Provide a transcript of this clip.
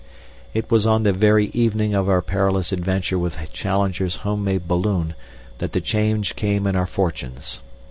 It was on the very evening of our perilous adventure with Challenger's home made balloon that the change came in our fortunes.